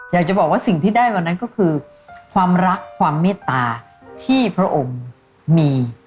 อยากจะบอกว่าสิ่งที่ได้วันนั้นก็คือความรักความเมตตาที่พระองค์มี